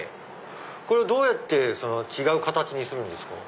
これをどうやって違う形にするんですか？